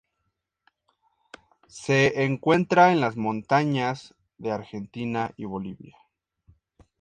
Se encuentra en las montañas de Argentina y Bolivia.